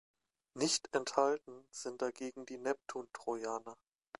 Nicht enthalten sind dagegen die Neptun-Trojaner.